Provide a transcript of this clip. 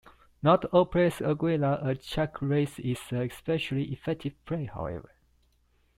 Not all players agree that a check-raise is an especially effective play, however.